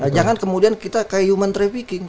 jangan kemudian kita kayak human trafficking